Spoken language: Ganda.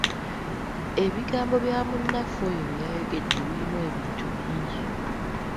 Ebigambo bya munnaffe oyo bye yayogedde birimu ebintu bingi.